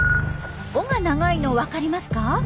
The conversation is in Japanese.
尾が長いの分かりますか？